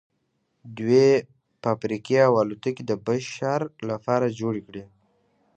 دوی فابریکې او الوتکې د بشر لپاره جوړې کړې